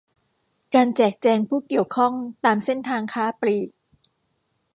การแจกแจงผู้เกี่ยวข้องตามเส้นทางค้าปลีก